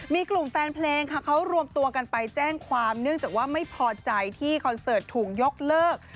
มีกลุ่มแฟนเพลงค่ะเขารวมตัวกันไปแจ้งความเนื่องจากว่าไม่พอใจที่คอนเสิร์ตถูกยกเลิก